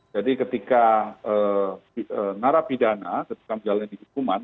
jadi ketika narapidana ketika berjalan di hukuman